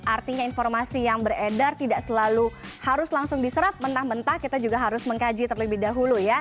artinya informasi yang beredar tidak selalu harus langsung diserap mentah mentah kita juga harus mengkaji terlebih dahulu ya